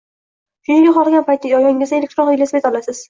Shunchaki, xohlagan joyingizdan elektron velosiped olasiz.